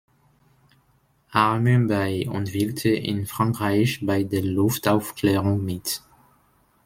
Army bei und wirkte in Frankreich bei der Luftaufklärung mit.